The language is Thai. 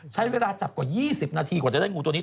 ใช้เวลาจับกว่า๒๐นาทีกว่าจะได้งูตัวนี้